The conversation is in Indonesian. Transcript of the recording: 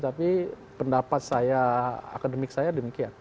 tapi pendapat saya akademik saya demikian